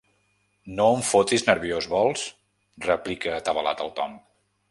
No em fotis nerviós, vols? –replica atabalat el Tom–.